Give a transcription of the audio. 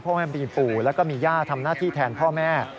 พ่อแม่มีปู่แล้วก็มีญาติทำหน้าที่แทนพ่อแม่